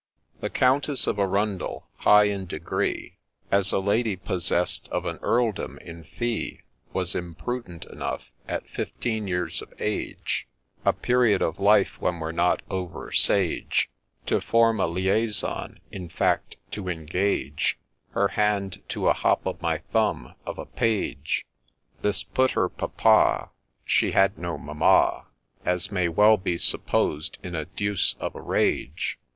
The Countess of Arundel, high in degree, As a lady possess'd of an earldom in fee, Was imprudent enough, at fifteen years of age, ,— A period of life when we're not over sage, — To form a liaison — in fact, to engage Her hand to a hop o' my thumb of a Page. This put her Papa — She had no Mamma — As may well be supposed, in a deuce of a rage.